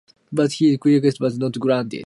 But his request was not granted.